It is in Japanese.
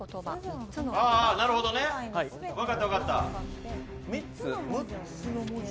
なるほどね、分かった、分かった。